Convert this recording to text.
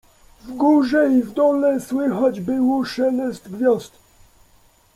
W górze i w dole słychać było szelest gwiazd.